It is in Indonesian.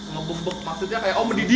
ngebuk buk maksudnya kayak oh mendidih